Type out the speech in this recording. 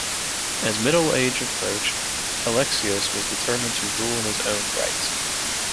As middle age approached, Alexios was determined to rule in his own right.